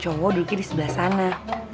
cowok dulu kiri sebelah sana